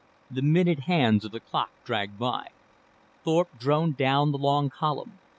The minute hands of the clock dragged around. Thorpe droned down the long column.